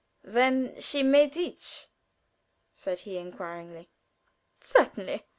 "Then she may teach?" said he, inquiringly. "Certainly.